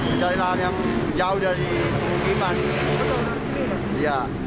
mencari lahan yang jauh dari permukiman